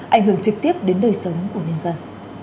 ảnh hưởng trực tiếp đến đời sống của nhân dân